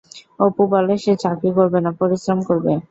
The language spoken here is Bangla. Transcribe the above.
অপু বলে সে চাকরি করবে না, পরিশ্রম করবে।